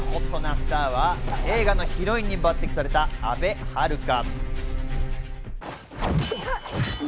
スターは映画のヒロインに抜擢された安部春香。